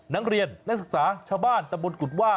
นักเรียนนักศักดิ์ศาสตร์ชาวบ้านตำบลกุฎว่า